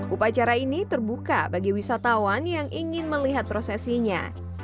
upacara ini terbuka bagi wisatawan yang ingin melihat prosesinya